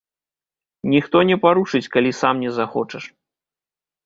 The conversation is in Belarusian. Ніхто не парушыць, калі сам не захочаш.